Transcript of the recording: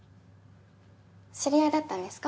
知り合いだったんですか？